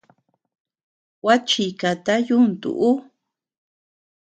Gua chikata yuntu ú.